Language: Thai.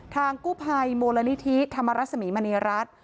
ทางกู้ภัยมูลนิธิธรรมรสมีมณีรัฐ